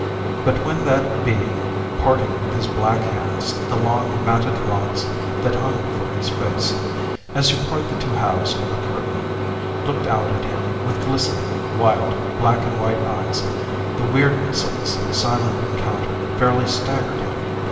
But when that being, parting with his black hands the long matted locks that hung before his face, as you part the two halves of a curtain, looked out at him with glistening, wild, black and white eyes, the weirdness of this silent encounter fairly staggered him.